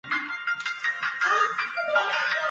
许多企划已经提出湖泊登陆载具的观念。